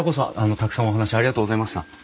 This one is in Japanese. たくさんお話ありがとうございました。